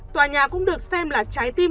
tòa nhà cũng được xem là trái tim